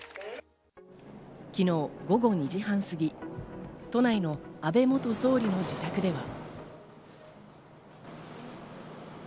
昨日午後２時半過ぎ、都内の安倍元総理の自宅では。